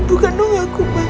bukan ibu yang aku bang